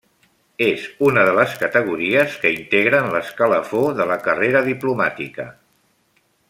És una de les categories que integren l'escalafó de la carrera diplomàtica.